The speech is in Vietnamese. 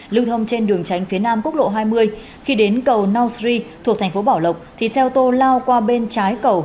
lưu thông trên đường tránh phía nam quốc lộ hai mươi khi đến cầu nau sri thuộc thành phố bảo lộc thì xe ô tô lao qua bên trái cầu